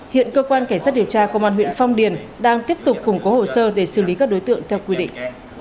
hiện cơ quan cảnh sát điều tra công an huyện phong điền đang tiếp tục củng cố hồ sơ để xử lý các đối tượng theo quy định